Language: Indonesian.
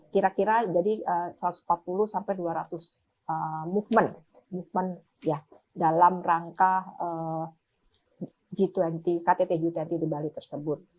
kira kira jadi satu ratus empat puluh sampai dua ratus movement dalam rangka ktp g dua puluh bali tersebut